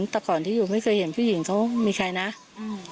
แต่ก่อนที่อยู่ไม่เคยเห็นผู้หญิงเขามีใครนะอืม